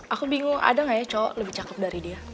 aku bingung ada gak ya cowok lebih cakep dari dia